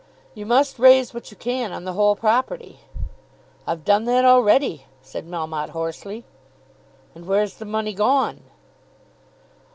"You must raise what you can on the whole property." "I've done that already," said Melmotte hoarsely. "And where's the money gone?"